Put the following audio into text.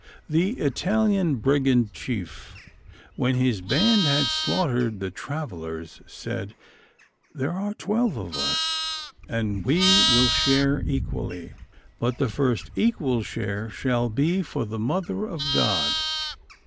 The Italian brigand chief, when his band had slaughtered the travellers, said, "There are twelve of us, and we will share equally; but the first equal share shall be for the mother of God."